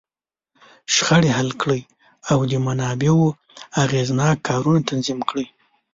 شخړې حل کړي، او د منابعو اغېزناک کارونه تنظیم کړي.